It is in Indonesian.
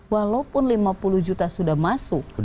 walaupun lima puluh juta sudah masuk